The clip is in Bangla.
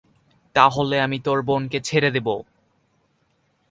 তাহলে আমি তোর বোনকে ছেড়ে দেবো।